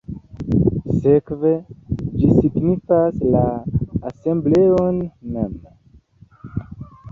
Sekve, ĝi signifas la asembleon mem.